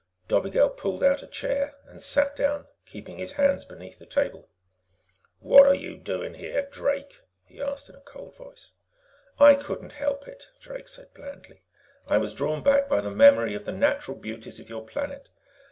Dobigel pulled out a chair and sat down, keeping his hands beneath the table. "What are you doing here, Drake?" he asked in a cold voice. "I couldn't help it," Drake said blandly. "I was drawn back by the memory of the natural beauties of your planet.